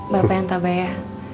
bapak yang tabah ya